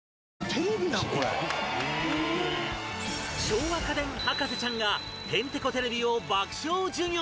笑和家電博士ちゃんがヘンテコテレビを爆笑授業